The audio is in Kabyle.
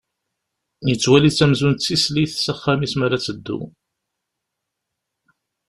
Yettwali-tt amzun d tislit, s axxam-is mi ara teddu.